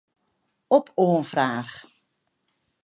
Op oanfraach.